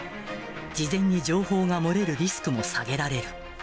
事前に情報が漏れるリスクも下げられる。